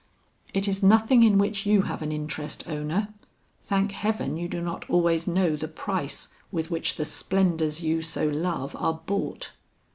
'It is nothing in which you have an interest, Ona. Thank heaven you do not always know the price with which the splendors you so love are bought.'